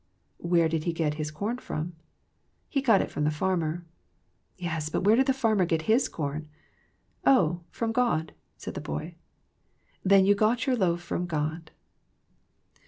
" Where did he get his corn from ?"" He got it from the farmer." " Yes, but where did the farmer get his corn ?"" Oh, from God," said the boy. " Then you got your loaf from God